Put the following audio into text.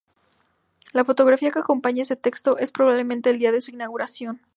La fotografía que acompaña este texto es probablemente del día de su inauguración.